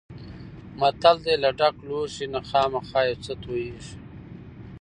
متل دی: له ډک لوښي نه خامخا یو څه تویېږي.